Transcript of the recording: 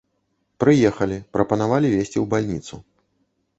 Прыехалі, прапанавалі везці ў бальніцу.